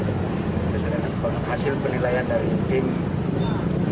sebenarnya hasil penilaian dari tim jibom gegana